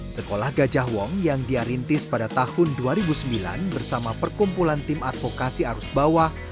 sekolah gajah wong yang dia rintis pada tahun dua ribu sembilan bersama perkumpulan tim advokasi arus bawah